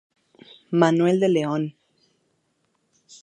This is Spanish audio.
Manuel de León.